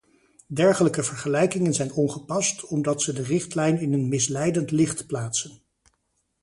Dergelijke vergelijkingen zijn ongepast, omdat ze de richtlijn in een misleidend licht plaatsen.